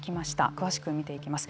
詳しく見ていきます。